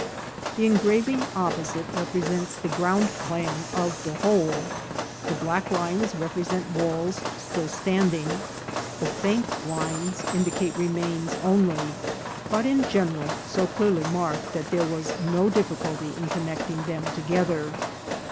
The engraving opposite represents the ground plan of the whole. The black lines represent walls still standing ; the faint lines indicate remains only, but, in general, so clearly marked that there was no difficulty in connecting them together.